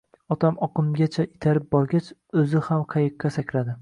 Otam oqimgacha itarib borgach, oʻzi ham qayiqqa sakradi